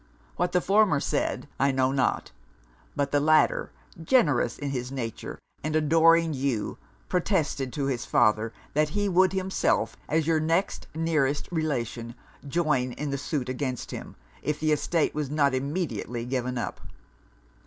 What the former said, I know not; but the latter, generous in his nature, and adoring you, protested to his father that he would himself, as your next nearest relation, join in the suit against him, if the estate was not immediately given up.